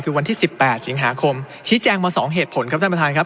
คือวันที่๑๘สิงหาคมชี้แจงมา๒เหตุผลครับท่านประธานครับ